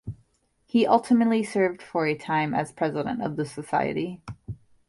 He ultimately served for a time as president of the society.